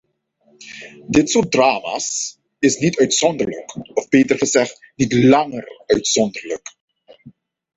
Dit soort drama's is niet uitzonderlijk, of beter gezegd niet langer uitzonderlijk.